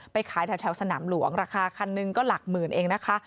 ไปขายแถวสนามหลวงราคาคันหนึ่งก็หลักหมื่นเองนะคะ